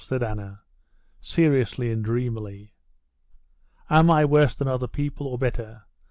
said Anna, seriously and dreamily. "Am I worse than other people, or better?